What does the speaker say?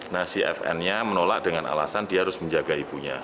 nah si fn nya menolak dengan alasan dia harus menjaga ibunya